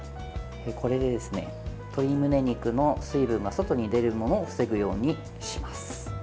これで、鶏むね肉の水分が外に出るのを防ぐようにします。